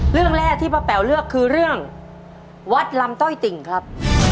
เรื่องแรกที่ป้าแป๋วเลือกคือเรื่องวัดลำต้อยติ่งครับ